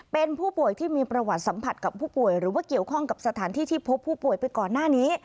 เป็นผู้ป่วยที่มีประวัติสัมผัสกับผู้ป่วยหรือว่าเกี่ยวข้องกับสถานที่ที่พบผู้ป่วยไปก่อนหน้านี้